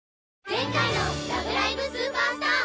前回の「ラブライブ！スーパースター！！」